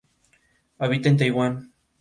Habita en Taiwán.